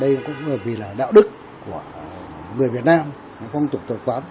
đây cũng vì là đạo đức của người việt nam không tục tập quán